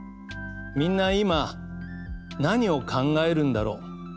みんな今何を考えるんだろう。